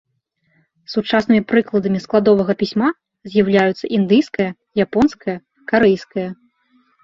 Сучаснымі прыкладамі складовага пісьма з'яўляюцца індыйскае, японскае, карэйскае.